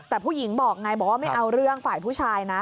แต่ผู้หญิงบอกไงบอกว่าไม่เอาเรื่องฝ่ายผู้ชายนะ